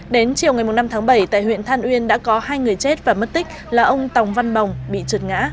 đến chiều ngày năm tháng bảy tại huyện than uyên đã có hai người chết và mất tích là ông tòng văn bồng bị trượt ngã